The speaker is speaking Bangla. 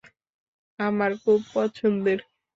আমার খুব পছন্দের।